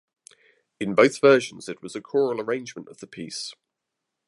In both versions it was a choral arrangement of the piece.